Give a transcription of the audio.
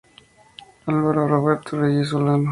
Álvaro Roberto Reyes Solano.